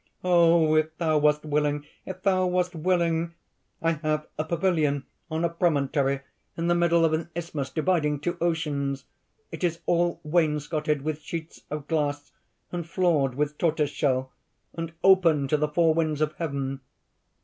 _) "Oh! if thou wast willing! if thou wast willing!... I have a pavilion on a promontory in the middle of an isthmus dividing two oceans. It is all wain scoted with sheets of glass, and floored with tortoise shell, and open to the four winds of heaven.